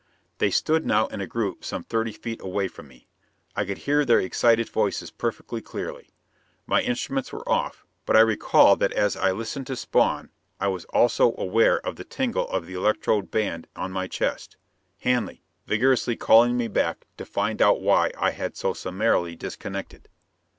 They stood now in a group some thirty feet away from me. I could hear their excited voices perfectly clearly. My instruments were off; but I recall that as I listened to Spawn I was also aware of the tingle of the electrode band on my chest Hanley, vigorously calling me back to find out why I had so summarily disconnected.